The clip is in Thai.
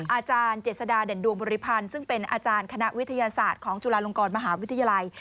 อาจารย์เจษฎาเด่นดวงบริพันธ์ซึ่งเป็นอาจารย์คณะวิทยาศาสตร์ของจุฬาลงกรมหาวิทยาลัย